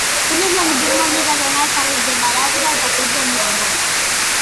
Quina és la millor manera d'anar del carrer del Baladre al passatge de Maiol?